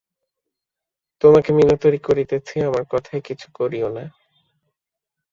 তোমাকে মিনতি করিতেছি- আমার কথায় কিছুই করিয়ো না।